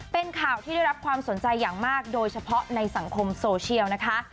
เป็นข่าวที่ได้รับความสนใจอย่างมากโดยเฉพาะในสังคมโซเชียลนะคะ